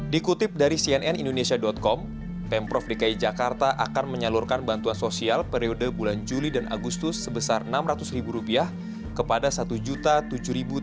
dikutip dari cnn indonesia com pemprov dki jakarta akan menyalurkan bantuan sosial periode bulan juli dan agustus sebesar rp enam ratus ribu kepada satu tujuh tiga ratus tujuh puluh sembilan warga dki jakarta yang terdampak covid sembilan belas